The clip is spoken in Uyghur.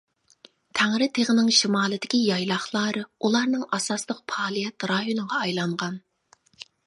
تەڭرىتېغىنىڭ شىمالىدىكى يايلاقلار ئۇلارنىڭ ئاساسلىق پائالىيەت رايونىغا ئايلانغان.